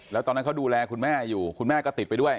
แล้วตอนนั้นเขาดูแลคุณแม่อยู่คุณแม่ก็ติดไปด้วย